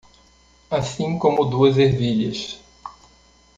Assim como duas ervilhas